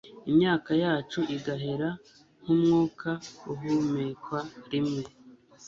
imyaka yacu igahera nk'umwuka uhumekwa rimwe